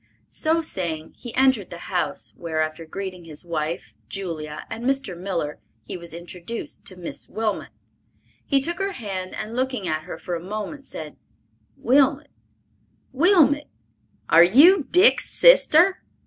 So saying, he entered the house, where after greeting his wife, Julia and Mr. Miller, he was introduced to "Miss Wilmot." He took her hand and looking at her for a moment, said, "Wilmot, Wilmot! Are you Dick's sister?"